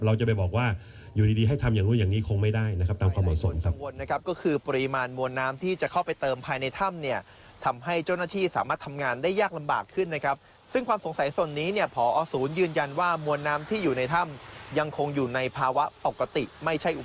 เราจะไปบอกว่าอยู่ดีให้ทำอย่างนู้นอย่างนี้